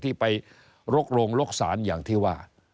ที่ไปลกโรงลกศาลอย่างที่ว่า